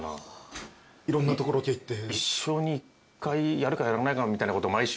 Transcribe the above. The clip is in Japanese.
いろんなとこロケ行って。